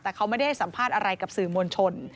แต่เขาไม่ได้ให้สัมภาษณ์อะไรกับสื่อมวลชน